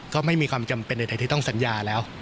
ก็ไม่มีความจำเป็นใดที่ต้องสัญญาแล้ว